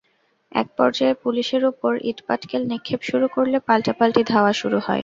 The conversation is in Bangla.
একপর্যায়ে পুলিশের ওপর ইটপাটকেল নিক্ষেপ শুরু করলে পাল্টাপাল্টি ধাওয়া শুরু হয়।